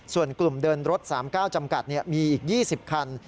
ส่วนกลุ่มเดินรถ๓๙จำกัดมีอีก๒๐คัน